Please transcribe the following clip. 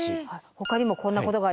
ほかにもこんなことがあります。